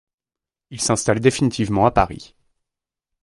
Il s'installe définitivement à Paris.